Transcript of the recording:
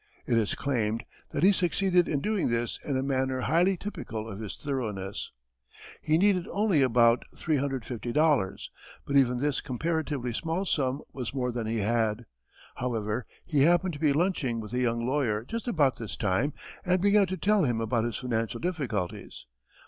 It is claimed that he succeeded in doing this in a manner highly typical of his thoroughness. He needed only about $350.00 but even this comparatively small sum was more than he had. However, he happened to be lunching with a young lawyer just about this time and began to tell him about his financial difficulties.